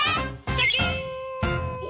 シャキーン！